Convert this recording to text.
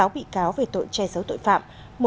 sáu bị cáo về tội che giấu tội phạm